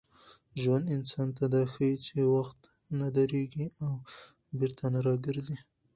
ژوند انسان ته دا ښيي چي وخت نه درېږي او بېرته نه راګرځي.